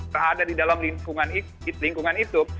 berada di dalam lingkungan itu